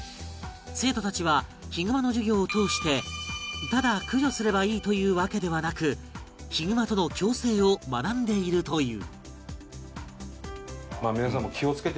生徒たちはヒグマの授業を通してただ駆除すればいいというわけではなくヒグマとの共生を学んでいるという